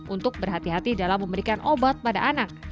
untuk berhati hati dalam memberikan obat pada anak